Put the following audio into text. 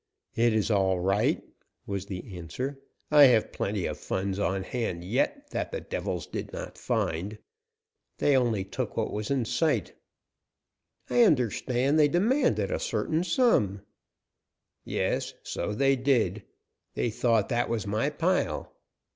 "It is all right," was the answer. "I have plenty of funds on hand yet that the devils did not find. They took only what was in sight." "I understand they demanded a certain sum." "Yes, so they did. They thought that was my pile.